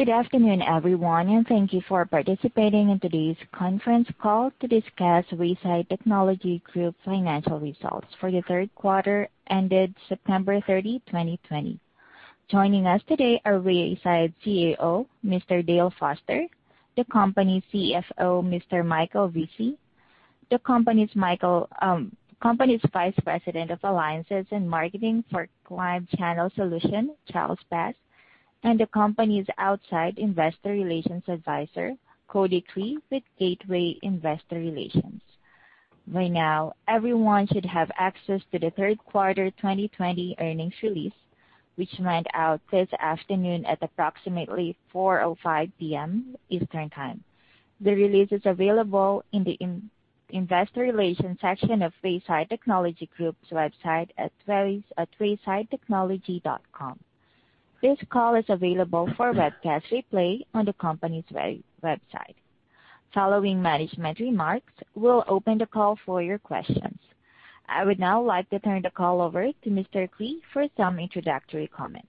Good afternoon, everyone, and thank you for participating in today's conference call to discuss Climb Global Solutions financial results for the third quarter ended September 30, 2020. Joining us today are Climb Global Solutions CEO, Mr. Dale Foster, the company's CFO, Mr. Michael Vesey, the company's Vice President of Alliances and Marketing for Climb Channel Solutions, Charles Bass, and the company's outside investor relations advisor, Cody Cree with Gateway Investor Relations. Right now, everyone should have access to the third quarter 2020 earnings release, which went out this afternoon at approximately 4:05 P.M. Eastern Time. The release is available in the investor relations section of Climb Global Solutions' website at climbglobalsolutions.com. This call is available for webcast replay on the company's website. Following management remarks, we'll open the call for your questions. I would now like to turn the call over to Mr. Cree for some introductory comments.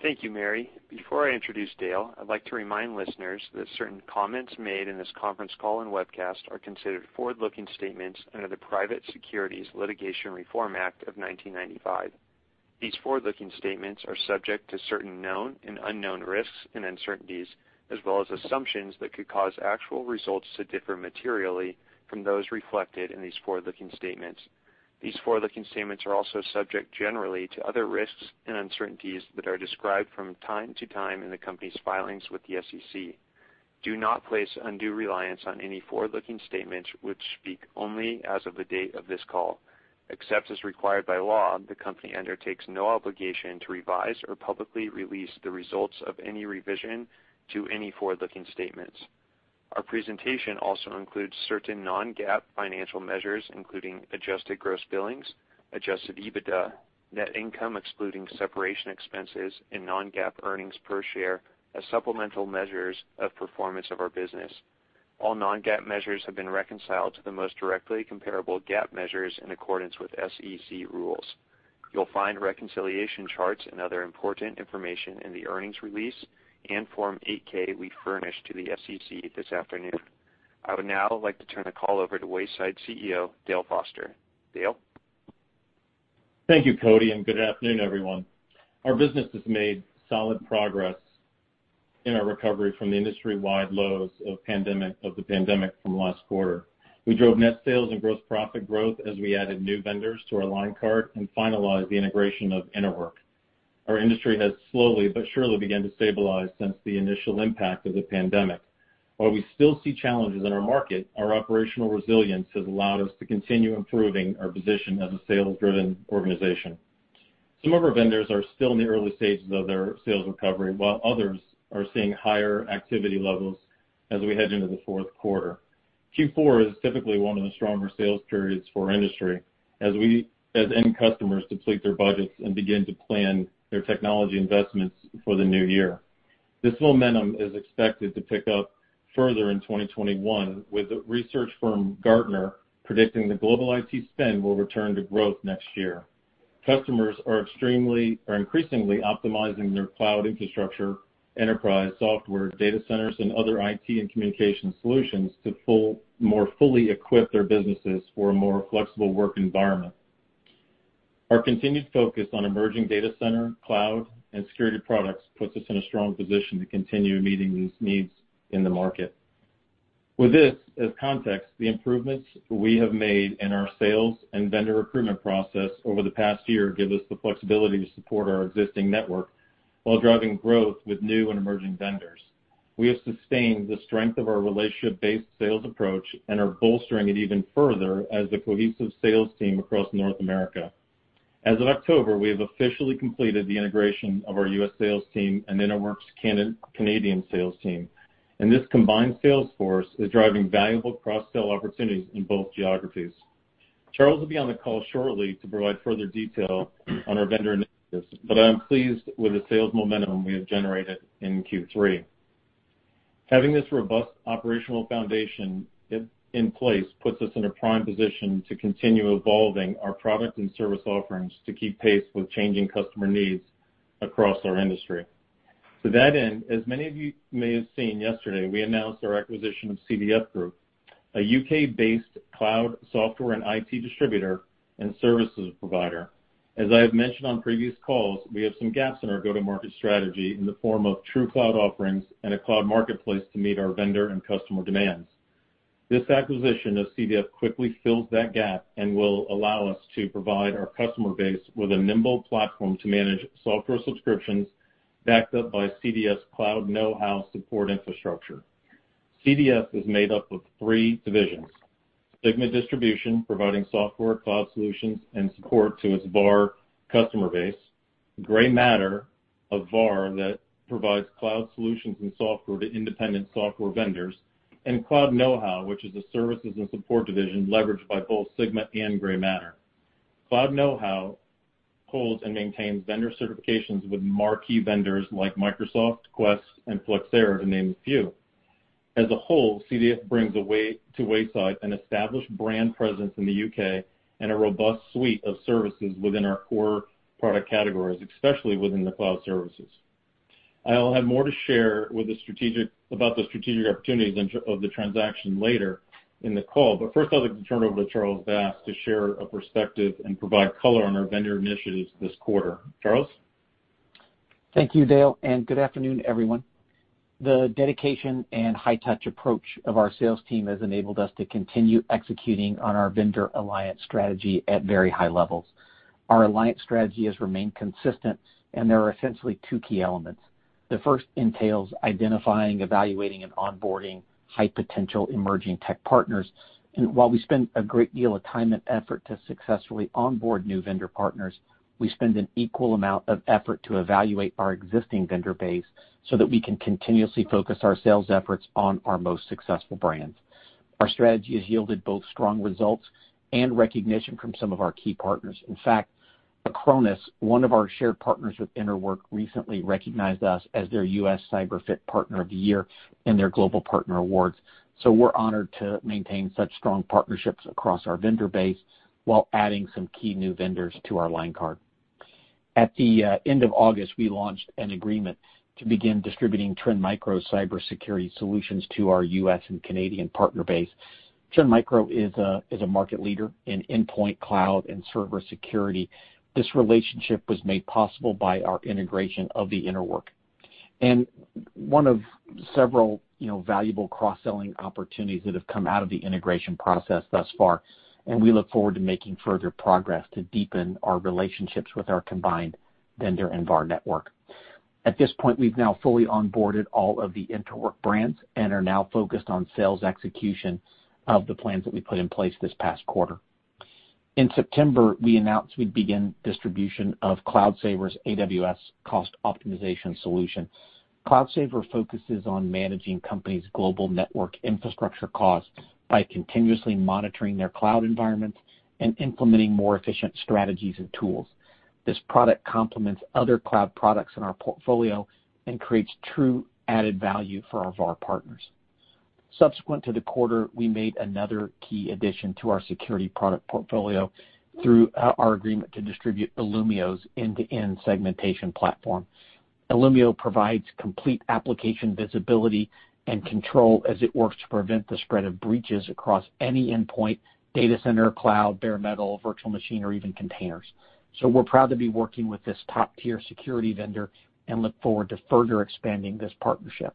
Thank you, Mary. Before I introduce Dale, I'd like to remind listeners that certain comments made in this conference call and webcast are considered forward-looking statements under the Private Securities Litigation Reform Act of 1995. These forward-looking statements are subject to certain known and unknown risks and uncertainties, as well as assumptions that could cause actual results to differ materially from those reflected in these forward-looking statements. These forward-looking statements are also subject generally to other risks and uncertainties that are described from time to time in the company's filings with the SEC. Do not place undue reliance on any forward-looking statements which speak only as of the date of this call. Except as required by law, the company undertakes no obligation to revise or publicly release the results of any revision to any forward-looking statements. Our presentation also includes certain non-GAAP financial measures, including adjusted gross billings, adjusted EBITDA, net income excluding separation expenses, and non-GAAP earnings per share as supplemental measures of performance of our business. All non-GAAP measures have been reconciled to the most directly comparable GAAP measures in accordance with SEC rules. You'll find reconciliation charts and other important information in the earnings release and Form 8-K we furnished to the SEC this afternoon. I would now like to turn the call over to Wayside CEO, Dale Foster. Dale? Thank you, Cody, and good afternoon, everyone. Our business has made solid progress in our recovery from the industry-wide lows of the pandemic from last quarter. We drove net sales and gross profit growth as we added new vendors to our line card and finalized the integration of Interwork. Our industry has slowly but surely began to stabilize since the initial impact of the pandemic. While we still see challenges in our market, our operational resilience has allowed us to continue improving our position as a sales-driven organization. Some of our vendors are still in the early stages of their sales recovery, while others are seeing higher activity levels as we head into the fourth quarter. Q4 is typically one of the stronger sales periods for our industry, as end customers deplete their budgets and begin to plan their technology investments for the new year. This momentum is expected to pick up further in 2021, with the research firm Gartner predicting the global IT spend will return to growth next year. Customers are increasingly optimizing their cloud infrastructure, enterprise software, data centers, and other IT and communication solutions to more fully equip their businesses for a more flexible work environment. Our continued focus on emerging data center, cloud, and security products puts us in a strong position to continue meeting these needs in the market. With this as context, the improvements we have made in our sales and vendor recruitment process over the past year give us the flexibility to support our existing network while driving growth with new and emerging vendors. We have sustained the strength of our relationship-based sales approach and are bolstering it even further as a cohesive sales team across North America. As of October, we have officially completed the integration of our U.S. sales team and Interwork's Canadian sales team. This combined sales force is driving valuable cross-sell opportunities in both geographies. Charles will be on the call shortly to provide further detail on our vendor initiatives. I am pleased with the sales momentum we have generated in Q3. Having this robust operational foundation in place puts us in a prime position to continue evolving our product and service offerings to keep pace with changing customer needs across our industry. To that end, as many of you may have seen yesterday, we announced our acquisition of CDF Group, a U.K.-based cloud software and IT distributor and services provider. As I have mentioned on previous calls, we have some gaps in our go-to-market strategy in the form of true cloud offerings and a cloud marketplace to meet our vendor and customer demands. This acquisition of CDF quickly fills that gap and will allow us to provide our customer base with a nimble platform to manage software subscriptions backed up by CDF Cloud Know How support infrastructure. CDF is made up of three divisions. Sigma Distribution, providing software, cloud solutions, and support to its VAR customer base. Grey Matter, a VAR that provides cloud solutions and software to independent software vendors. Cloud Know How, which is a services and support division leveraged by both Sigma and Grey Matter. Cloud Know How holds and maintains vendor certifications with marquee vendors like Microsoft, Quest, and Flexera, to name a few. As a whole, CDF brings to Wayside an established brand presence in the U.K. and a robust suite of services within our core product categories, especially within the cloud services. I'll have more to share about the strategic opportunities of the transaction later in the call. First, I'd like to turn it over to Charles Bass to share a perspective and provide color on our vendor initiatives this quarter. Charles? Thank you, Dale. Good afternoon, everyone. The dedication and high-touch approach of our sales team has enabled us to continue executing on our vendor alliance strategy at very high levels. Our alliance strategy has remained consistent. There are essentially two key elements. The first entails identifying, evaluating, and onboarding high-potential emerging tech partners. While we spend a great deal of time and effort to successfully onboard new vendor partners, we spend an equal amount of effort to evaluate our existing vendor base so that we can continuously focus our sales efforts on our most successful brands. Our strategy has yielded both strong results and recognition from some of our key partners. In fact, Acronis, one of our shared partners with Interwork, recently recognized us as their U.S. CyberFit Partner of the Year in their global partner awards. We're honored to maintain such strong partnerships across our vendor base while adding some key new vendors to our line card. At the end of August, we launched an agreement to begin distributing Trend Micro's cybersecurity solutions to our U.S. and Canadian partner base. Trend Micro is a market leader in endpoint cloud and server security. This relationship was made possible by our integration of the Interwork. One of several valuable cross-selling opportunities that have come out of the integration process thus far, and we look forward to making further progress to deepen our relationships with our combined vendor and VAR network. At this point, we've now fully onboarded all of the Interwork brands and are now focused on sales execution of the plans that we put in place this past quarter. In September, we announced we'd begin distribution of CloudSaver's AWS cost optimization solution. CloudSaver focuses on managing companies' global network infrastructure costs by continuously monitoring their cloud environments and implementing more efficient strategies and tools. This product complements other cloud products in our portfolio and creates true added value for our VAR partners. Subsequent to the quarter, we made another key addition to our security product portfolio through our agreement to distribute Illumio's end-to-end segmentation platform. Illumio provides complete application visibility and control as it works to prevent the spread of breaches across any endpoint, data center, cloud, bare metal, virtual machine, or even containers. We're proud to be working with this top-tier security vendor and look forward to further expanding this partnership.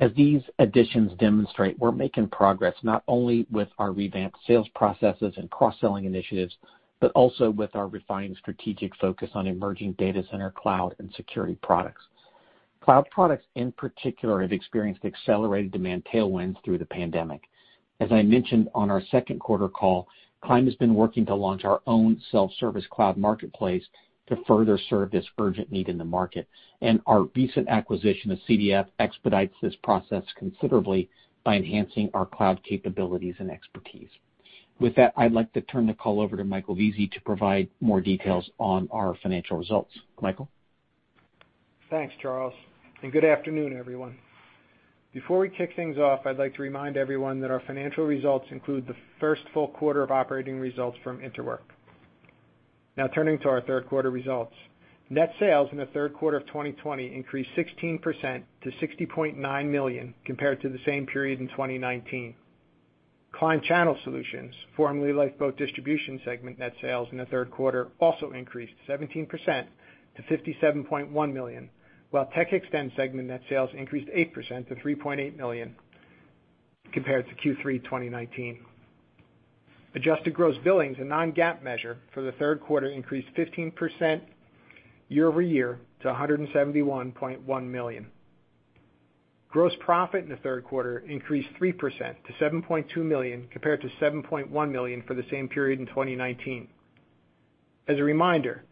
As these additions demonstrate, we're making progress not only with our revamped sales processes and cross-selling initiatives, but also with our refined strategic focus on emerging data center cloud and security products. Cloud products, in particular, have experienced accelerated demand tailwinds through the pandemic. As I mentioned on our second quarter call, Climb has been working to launch our own self-service cloud marketplace to further serve this urgent need in the market, and our recent acquisition of CDF expedites this process considerably by enhancing our cloud capabilities and expertise. With that, I'd like to turn the call over to Michael Vesey to provide more details on our financial results. Michael? Thanks, Charles, good afternoon, everyone. Before we kick things off, I'd like to remind everyone that our financial results include the first full quarter of operating results from Interwork. Turning to our third quarter results. Net sales in the third quarter of 2020 increased 16% to $60.9 million compared to the same period in 2019. Climb Channel Solutions, formerly Lifeboat Distribution segment net sales in the third quarter also increased 17% to $57.1 million, while TechXtend segment net sales increased 8% to $3.8 million compared to Q3 2019. Adjusted gross billings, a non-GAAP measure for the third quarter, increased 15% year-over-year to $171.1 million. Gross profit in the third quarter increased 3% to $7.2 million compared to $7.1 million for the same period in 2019. As a reminder,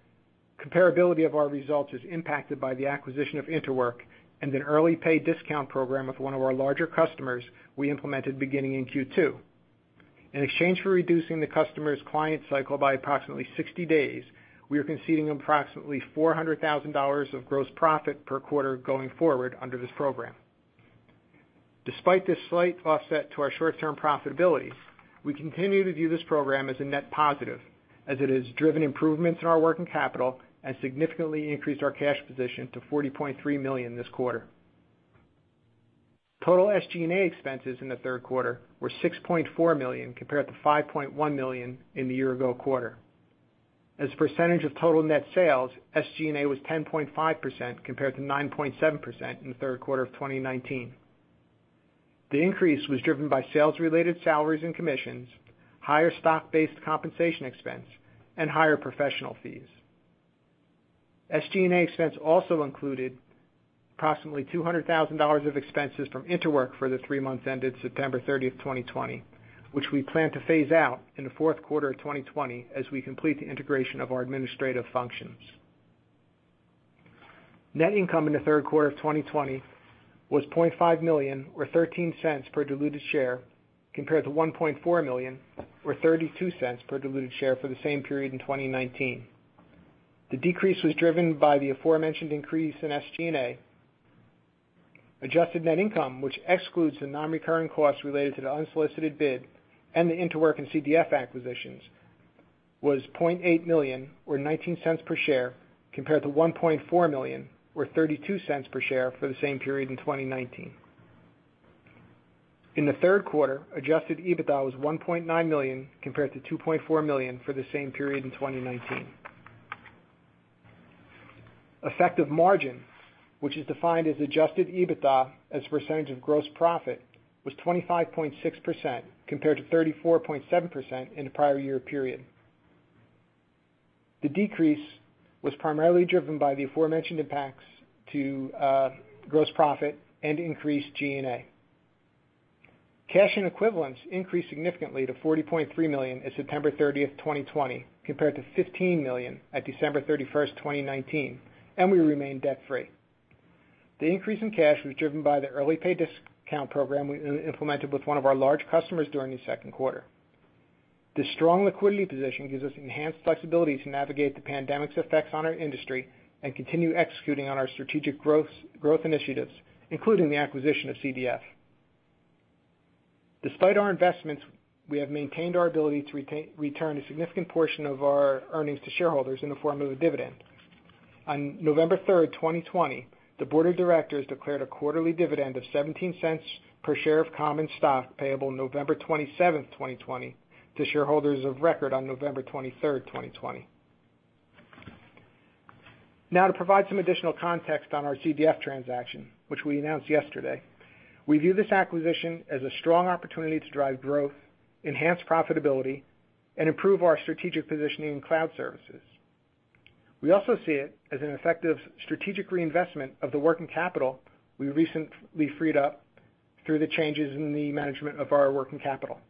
comparability of our results is impacted by the acquisition of Interwork and an early pay discount program with one of our larger customers we implemented beginning in Q2. In exchange for reducing the customer's client cycle by approximately 60 days, we are conceding approximately $400,000 of gross profit per quarter going forward under this program. Despite this slight offset to our short-term profitability, we continue to view this program as a net positive, as it has driven improvements in our working capital and significantly increased our cash position to $40.3 million this quarter. Total SG&A expenses in the third quarter were $6.4 million compared to $5.1 million in the year-ago quarter. As a percentage of total net sales, SG&A was 10.5% compared to 9.7% in the third quarter of 2019. The increase was driven by sales-related salaries and commissions, higher stock-based compensation expense, and higher professional fees. SG&A expense also included approximately $200,000 of expenses from Interwork for the three months ended September 30, 2020, which we plan to phase out in the fourth quarter of 2020 as we complete the integration of our administrative functions. Net income in the third quarter of 2020 was $0.5 million or $0.13 per diluted share compared to $1.4 million or $0.32 per diluted share for the same period in 2019. The decrease was driven by the aforementioned increase in SG&A. Adjusted net income, which excludes the non-recurring costs related to the unsolicited bid and the Interwork and CDF acquisitions, was $0.8 million, or $0.19 per share, compared to $1.4 million, or $0.32 per share for the same period in 2019. In the third quarter, adjusted EBITDA was $1.9 million compared to $2.4 million for the same period in 2019. Effective margin, which is defined as adjusted EBITDA as a percentage of gross profit, was 25.6% compared to 34.7% in the prior year period. The decrease was primarily driven by the aforementioned impacts to gross profit and increased G&A. Cash and equivalents increased significantly to $40.3 million as September 30th, 2020, compared to $15 million at December 31st, 2019, and we remain debt-free. The increase in cash was driven by the early pay discount program we implemented with one of our large customers during the second quarter. This strong liquidity position gives us enhanced flexibility to navigate the pandemic's effects on our industry and continue executing on our strategic growth initiatives, including the acquisition of CDF. Despite our investments, we have maintained our ability to return a significant portion of our earnings to shareholders in the form of a dividend. On November 3rd, 2020, the Board of Directors declared a quarterly dividend of $0.17 per share of common stock payable November 27th, 2020 to shareholders of record on November 23rd, 2020. Now to provide some additional context on our CDF transaction, which we announced yesterday. We view this acquisition as a strong opportunity to drive growth, enhance profitability, and improve our strategic positioning in cloud services. We also see it as an effective strategic reinvestment of the working capital we recently freed up through the changes in the management of our working capital.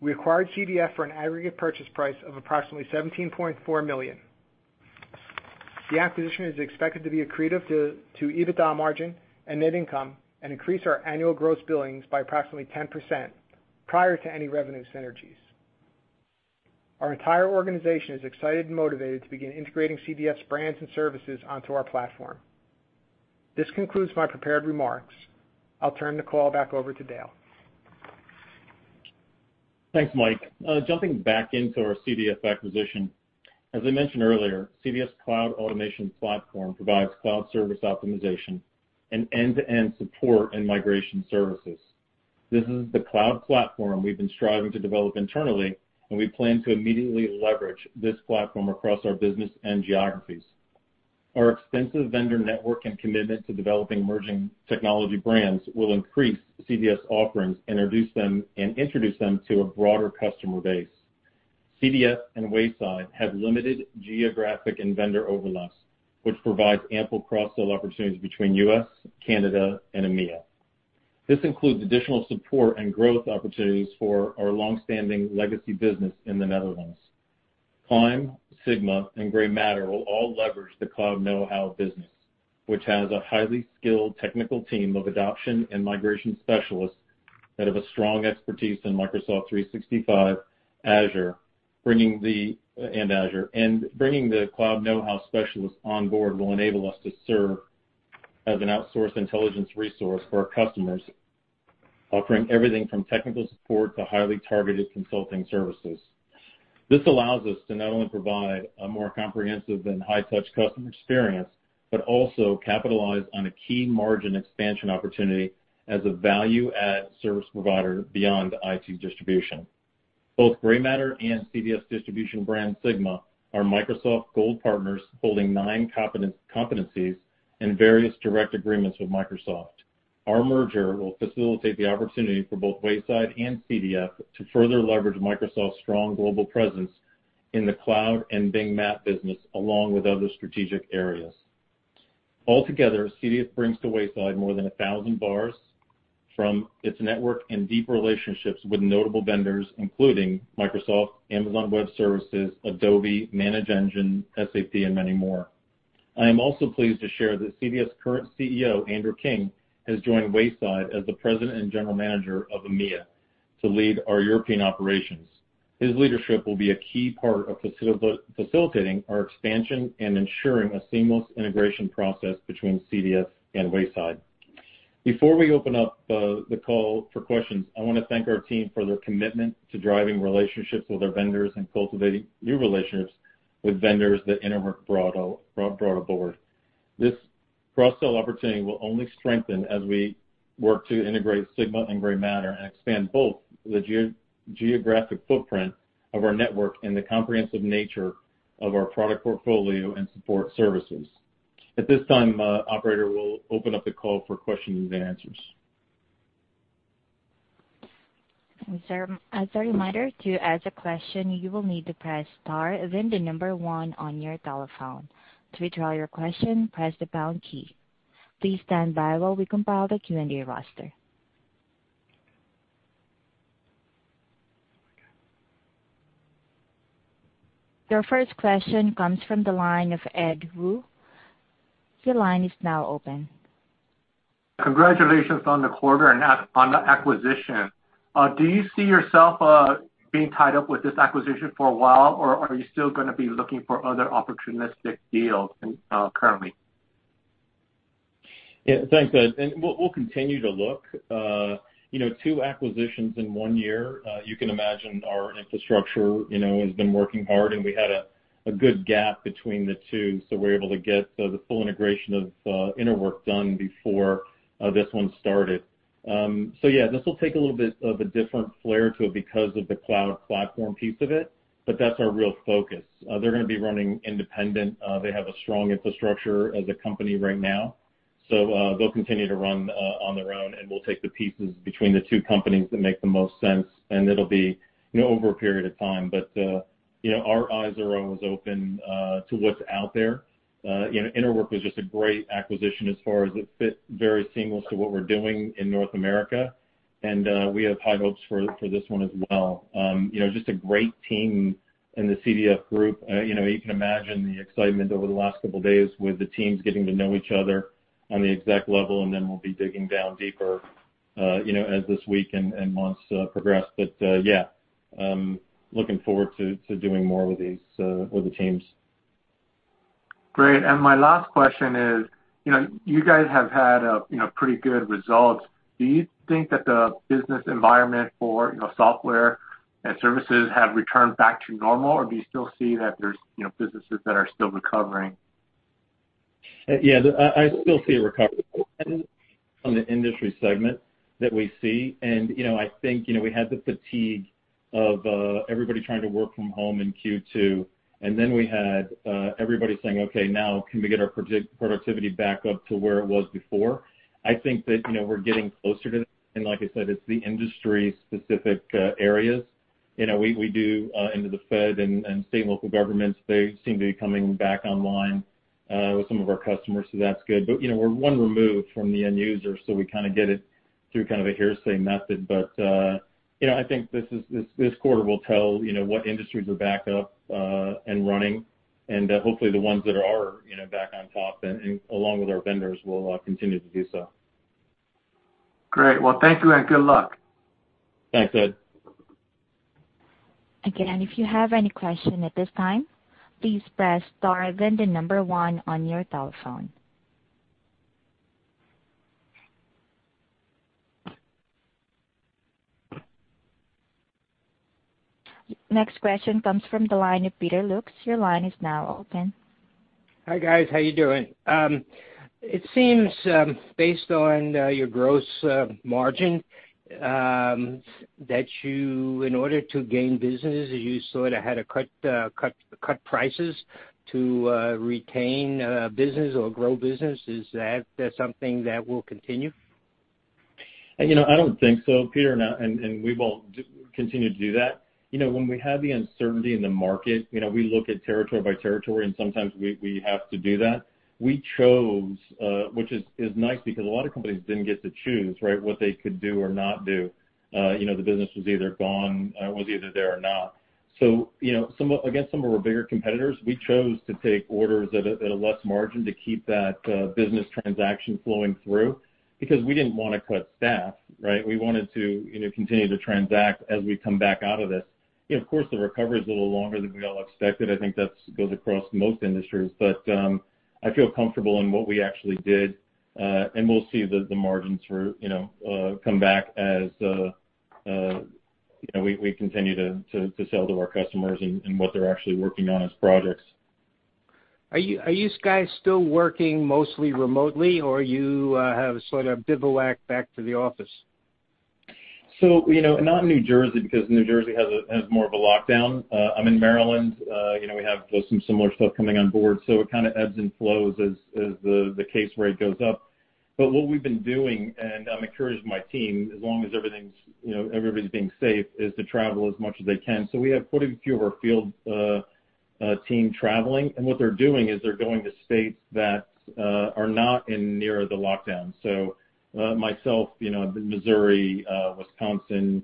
We acquired CDF for an aggregate purchase price of approximately $17.4 million. The acquisition is expected to be accretive to EBITDA margin and net income and increase our annual gross billings by approximately 10% prior to any revenue synergies. Our entire organization is excited and motivated to begin integrating CDF's brands and services onto our platform. This concludes my prepared remarks. I'll turn the call back over to Dale. Thanks, Mike. Jumping back into our CDF acquisition. As I mentioned earlier, CDF Cloud Automation Platform provides cloud service optimization and end-to-end support and migration services. This is the cloud platform we've been striving to develop internally, and we plan to immediately leverage this platform across our business and geographies. Our extensive vendor network and commitment to developing emerging technology brands will increase CDF offerings and introduce them to a broader customer base. CDF and Wayside have limited geographic and vendor overlaps, which provides ample cross-sell opportunities between U.S., Canada, and EMEA. This includes additional support and growth opportunities for our long-standing legacy business in the Netherlands. Climb, Sigma, and Grey Matter will all leverage the Cloud Know How business, which has a highly skilled technical team of adoption and migration specialists that have a strong expertise in Microsoft 365 and Azure. Bringing the Cloud Know How specialists on board will enable us to serve as an outsourced intelligence resource for our customers, offering everything from technical support to highly targeted consulting services. This allows us to not only provide a more comprehensive and high-touch customer experience, but also capitalize on a key margin expansion opportunity as a value-add service provider beyond IT distribution. Both Grey Matter and CDF distribution brand Sigma are Microsoft Gold Partners holding nine competencies and various direct agreements with Microsoft. Our merger will facilitate the opportunity for both Wayside and CDF to further leverage Microsoft's strong global presence in the cloud and Bing Maps business, along with other strategic areas. Altogether, CDF brings to Wayside more than 1,000 VARs from its network and deep relationships with notable vendors, including Microsoft, Amazon Web Services, Adobe, ManageEngine, SAP, and many more. I am also pleased to share that CDF current CEO, Andrew King, has joined Wayside as the President and General Manager of EMEA to lead our European operations. His leadership will be a key part of facilitating our expansion and ensuring a seamless integration process between CDF and Wayside. Before we open up the call for questions, I want to thank our team for their commitment to driving relationships with our vendors and cultivating new relationships with vendors that Interwork brought aboard. This cross-sell opportunity will only strengthen as we work to integrate Sigma and Grey Matter and expand both the geographic footprint of our network and the comprehensive nature of our product portfolio and support services. At this time, operator will open up the call for questions and answers. As a reminder, to ask a question, you'll need to press star then the number one on your telephone. To withdraw your question, press the pound key. Please standby as we compile the Q&A roster. Your first question comes from the line of Ed Woo. Your line is now open. Congratulations on the quarter and on the acquisition. Do you see yourself being tied up with this acquisition for a while, or are you still going to be looking for other opportunistic deals currently? Thanks, Ed. We'll continue to look. Two acquisitions in one year, you can imagine our infrastructure has been working hard, and we had a good gap between the two, so we're able to get the full integration of Interwork done before this one started. This will take a little bit of a different flair to it because of the cloud platform piece of it, but that's our real focus. They're going to be running independent. They have a strong infrastructure as a company right now. They'll continue to run on their own, and we'll take the pieces between the two companies that make the most sense, and it'll be over a period of time. Our eyes are always open to what's out there. Interwork was just a great acquisition as far as it fit very seamless to what we're doing in North America. We have high hopes for this one as well. Just a great team in the CDF Group. You can imagine the excitement over the last couple of days with the teams getting to know each other on the exec level, and then we'll be digging down deeper as this week and months progress. Yeah, looking forward to doing more with the teams. Great. My last question is, you guys have had pretty good results. Do you think that the business environment for software and services have returned back to normal, or do you still see that there's businesses that are still recovering? Yeah, I still see a recovery on the industry segment that we see. I think we had the fatigue of everybody trying to work from home in Q2, then we had everybody saying, "Okay, now can we get our productivity back up to where it was before?" I think that we're getting closer to that. Like I said, it's the industry-specific areas. We do into the Fed and state and local governments. They seem to be coming back online with some of our customers, so that's good. We're one remove from the end user, so we kind of get it through kind of a hearsay method. I think this quarter will tell what industries are back up and running. Hopefully, the ones that are back on top and along with our vendors will continue to do so. Great. Well, thank you and good luck. Thanks, Ed. Again, if you have any question at this time, please press star then the number one on your telephone. Next question comes from the line of Peter Lukes. Your line is now open. Hi, guys. How are you doing? It seems based on your gross margin that in order to gain business, you sort of had to cut prices to retain business or grow business. Is that something that will continue? I don't think so, Peter, and we won't continue to do that. When we have the uncertainty in the market, we look at territory by territory, and sometimes we have to do that. We chose, which is nice because a lot of companies didn't get to choose, right, what they could do or not do. It was either there or not. Against some of our bigger competitors, we chose to take orders at a less margin to keep that business transaction flowing through because we didn't want to cut staff, right? We wanted to continue to transact as we come back out of this. Of course, the recovery's a little longer than we all expected. I think that goes across most industries. I feel comfortable in what we actually did. We'll see the margins come back as we continue to sell to our customers and what they're actually working on as projects. Are you guys still working mostly remotely, or you have sort of bivouacked back to the office? Not in New Jersey because New Jersey has more of a lockdown. I'm in Maryland. We have some similar stuff coming on board, so it kind of ebbs and flows as the case rate goes up. What we've been doing, and I'm encouraged with my team, as long as everybody's being safe, is to travel as much as they can. We have quite a few of our field team traveling, and what they're doing is they're going to states that are not in near the lockdown. Myself, Missouri, Wisconsin,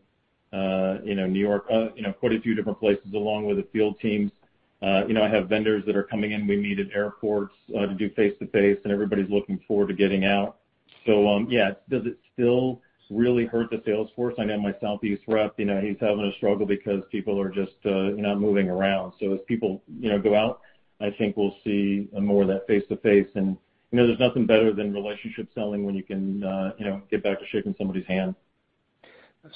New York, quite a few different places along with the field teams. I have vendors that are coming in. We meet at airports to do face-to-face, and everybody's looking forward to getting out. Yeah, does it still really hurt the sales force? I know my Southeast rep, he's having a struggle because people are just not moving around. As people go out, I think we'll see more of that face-to-face. There's nothing better than relationship selling when you can get back to shaking somebody's hand.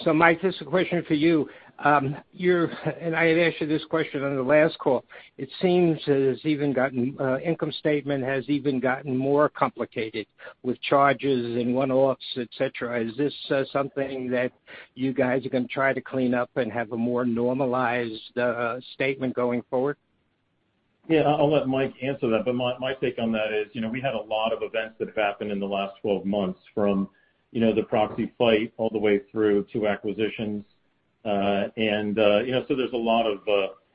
Mike, this is a question for you. I had asked you this question on the last call. It seems the income statement has even gotten more complicated with charges and one-offs, et cetera. Is this something that you guys are going to try to clean up and have a more normalized statement going forward? Yeah, I'll let Mike answer that. My take on that is, we had a lot of events that have happened in the last 12 months, from the proxy fight all the way through two acquisitions. There's a lot of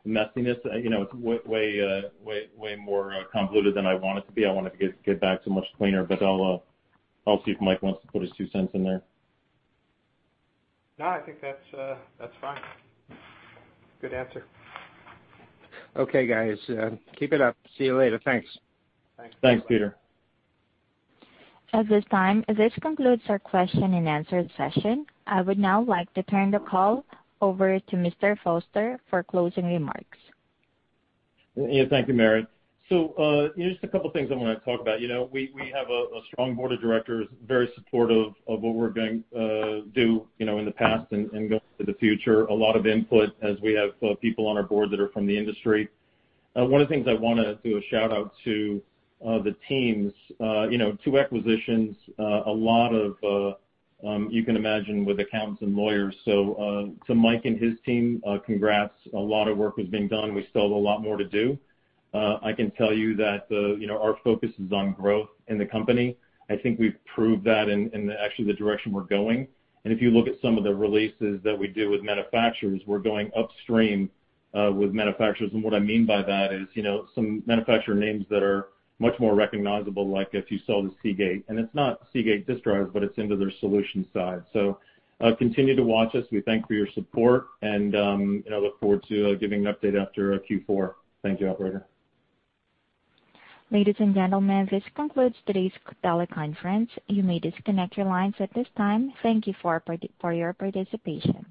messiness, way more convoluted than I want it to be. I want it to get back to much cleaner. I'll see if Mike wants to put his two cents in there. No, I think that's fine. Good answer. Okay, guys. Keep it up. See you later. Thanks. Thanks, Peter. At this time, this concludes our question and answer session. I would now like to turn the call over to Mr. Foster for closing remarks. Yeah. Thank you, Mary. Just a couple of things I want to talk about. We have a strong Board of Directors, very supportive of what we're going to do in the past and going into the future. A lot of input as we have people on our Board that are from the industry. One of the things I want to do a shout-out to the teams. Two acquisitions, a lot of, you can imagine with accountants and lawyers. To Mike and his team, congrats. A lot of work has been done. We still have a lot more to do. I can tell you that our focus is on growth in the company. I think we've proved that in actually the direction we're going. If you look at some of the releases that we do with manufacturers, we're going upstream with manufacturers. What I mean by that is some manufacturer names that are much more recognizable, like if you sell to Seagate, and it's not Seagate disk drives, but it's into their solutions side. Continue to watch us. We thank you for your support, and I look forward to giving an update after Q4. Thank you, operator. Ladies and gentlemen, this concludes today's teleconference. You may disconnect your lines at this time. Thank you for your participation.